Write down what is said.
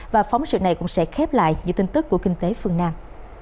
và phóng sự này cũng sẽ khép lại những tin tức của kinh tế phương nam